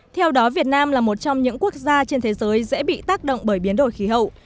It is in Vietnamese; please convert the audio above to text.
theo đó việt nam là một trong những quốc gia trên thế giới dễ bị tác động bởi biến đổi khí hậu